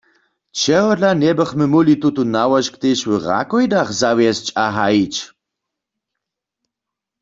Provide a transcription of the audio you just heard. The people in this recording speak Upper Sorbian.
Čehodla njebychmy móhli tutón nałožk tež w Rakojdach zawjesć a hajić?